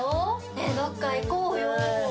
ねぇどっか行こうよ！